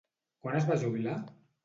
Quan es va jubilar?